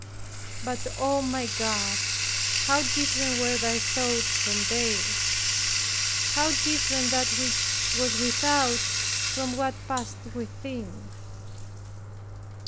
But, O my God, how different were Thy thoughts from theirs, how different that which was without, from what passed within!